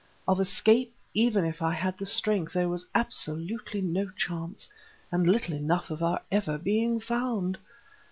Of escape, even if I had the strength, there was absolutely no chance, and little enough of our ever being found.